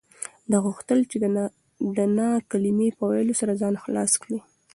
ده غوښتل چې د نه کلمې په ویلو سره ځان خلاص کړي.